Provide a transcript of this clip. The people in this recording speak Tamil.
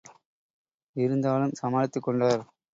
இருந்தாலும் சமாளித்துக் கொண்டார்.